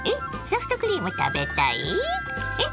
ソフトクリーム食べたい？え？